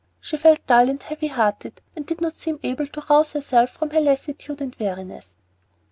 She felt dull and heavy hearted, and did not seem able to rouse herself from her lassitude and weariness.